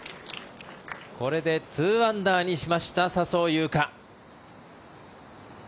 これで２アンダーにしました笹生優花。